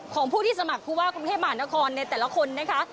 ของผู้ที่สมัครผู้ว่ากรุงเทพมหานครในแต่ละคนนะคะ